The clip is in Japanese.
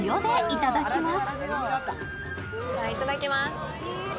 いただきます。